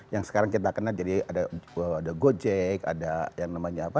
yang sekarang kita kenal jadi ada gojek ada yang namanya apa